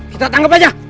kita tanggep aja